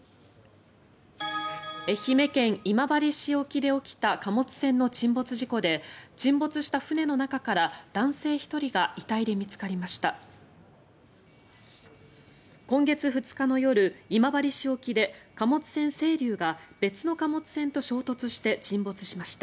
愛媛県今治市沖で起きた貨物船の沈没事故で沈没した船の中から男性１人が遺体で見つかりました。